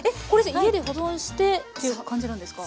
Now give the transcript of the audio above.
家で保存してっていう感じなんですか？